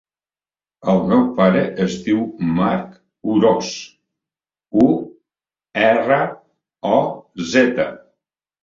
El meu pare es diu Mark Uroz: u, erra, o, zeta.